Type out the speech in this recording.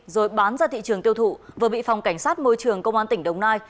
rồi bán ra thị trường tiêu thụ vừa bị phòng cảnh sát môi trường công an tỉnh đồng nai